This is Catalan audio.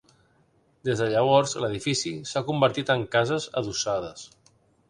Des de llavors, l'edifici s'ha convertit en cases adossades.